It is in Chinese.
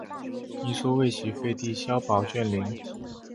一说为齐废帝萧宝卷陵。